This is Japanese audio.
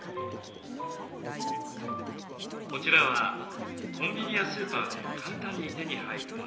こちらはコンビニやスーパーで簡単に手に入るもの。